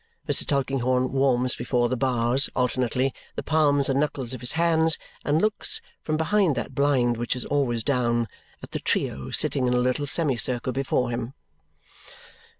Mr. Tulkinghorn warms before the bars, alternately, the palms and knuckles of his hands and looks (from behind that blind which is always down) at the trio sitting in a little semicircle before him.